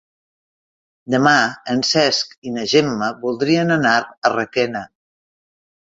Demà en Cesc i na Gemma voldrien anar a Requena.